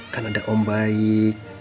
kan ada om baik